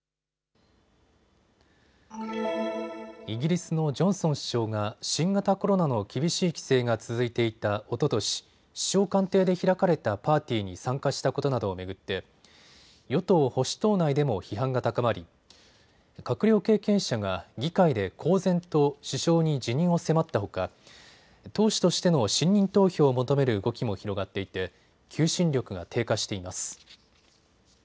イギリスのジョンソン首相が新型コロナの厳しい規制が続いていたおととし、首相官邸で開かれたパーティーに参加したことなどを巡って与党・保守党内でも批判が高まり閣僚経験者が議会で公然と首相に辞任を迫ったほか、党首としての信任投票を求める動きも広がっていて求心力が低下しています。